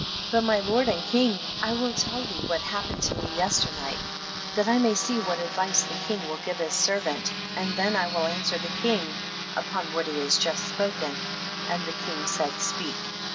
18. But my lord and, king, I will tell thee what happened to me yes ternight, that I may see what advice the king will give his servant, and then I will answer the king upon what he has just spoken ; and the king said, speak.